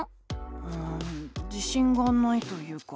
うん自しんがないというか。